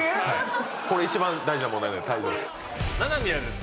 これ一番大事な問題なんで退場です。